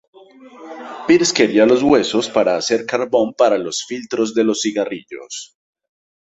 Pierce quería los huesos para hacer carbón para los filtros de los cigarrillos.